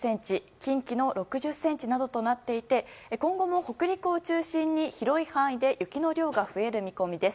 近畿の６０ｃｍなどとなっていて今後も北陸を中心に広い範囲で雪の量が増える見込みです。